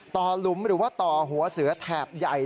ต่อหลุมหรือว่าต่อหัวเสือแถบใหญ่ชะบ้าบอกมันเคี้ยงมากนะฮะ